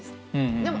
でも。